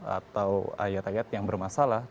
atau ayat ayat yang bermasalah